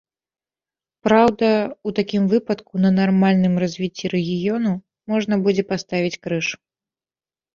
Праўда, у такім выпадку на нармальным развіцці рэгіёну можна будзе паставіць крыж.